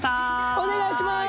お願いします